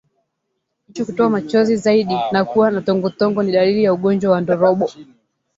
Jicho kutoa machozi zaidi na kuwa na tongotongo ni dalili ya ugonjwa wa ndorobo